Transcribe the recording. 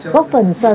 góp phần soa rượu